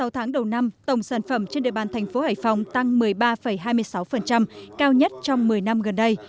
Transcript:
sáu tháng đầu năm tổng sản phẩm trên địa bàn thành phố hải phòng tăng một mươi ba hai mươi sáu cao nhất trong một mươi năm gần đây